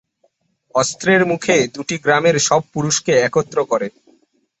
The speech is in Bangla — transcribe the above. অস্ত্রের মুখে দুটি গ্রামের সব পুরুষকে একত্র করে।